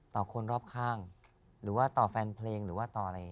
ต่อคนรอบข้างหรือว่าต่อแฟนเพลงหรือว่าต่ออะไร